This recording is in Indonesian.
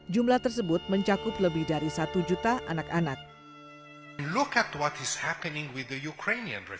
jumlah tersebut mencakup lebih dari satu juta anak anak